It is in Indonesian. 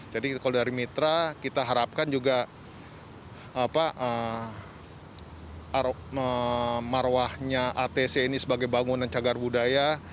jadi kalau dari mitra kita harapkan juga marwahnya atc ini sebagai bangunan cagar budaya